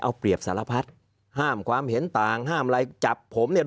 เอาเปรียบสารพัดห้ามความเห็นต่างห้ามอะไรจับผมเนี่ย